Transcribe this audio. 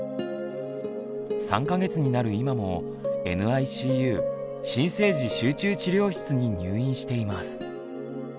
３か月になる今もＮＩＣＵ新生児集中治療室に入院しています。